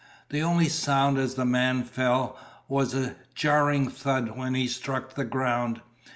The only sound as the man fell was a jarring thud when he struck the ground.